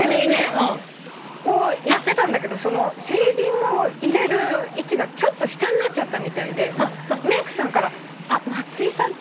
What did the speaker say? やってたんだけどシェーディングを入れる位置がちょっと下になっちゃったみたいでメークさんから「あっ松居さん」って言われて。